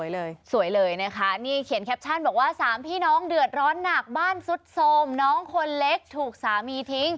เรื่องนี้พาคุณผู้ชมไปเช็คก่อนแชร์กันค่ะ